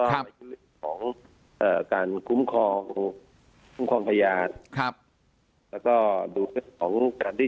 ก็ของการคุ้มคลองคุ้มคลองพยาบาลครับแล้วก็ดูของการที่